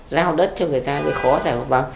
giao đất cho người ta mới khó giải phóng